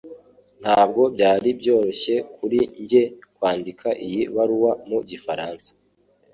Ntabwo byari byoroshye kuri njye kwandika iyi baruwa mu gifaransa